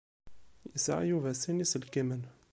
Yesεa Yuba sin iselkimen.